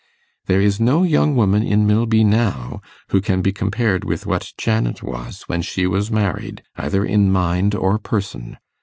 There is no young woman in Milby now who can be compared with what Janet was when she was married, either in mind or person.